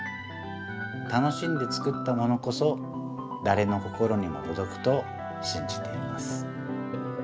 楽しんで作ったものこそだれの心にもとどくとしんじています。